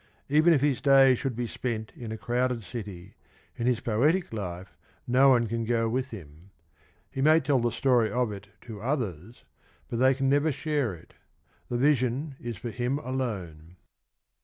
Even if his days should be spent in a crowded city, in his poetic life no one can go with him; he may tell the story of it to others, but they can never share it; the vision is for him alone.